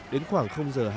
đến khoảng giờ